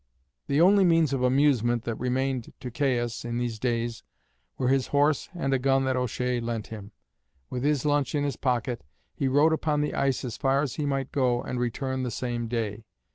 The only means of amusement that remained to Caius in these days were his horse and a gun that O'Shea lent him. With his lunch in his pocket, he rode upon the ice as far as he might go and return the same day.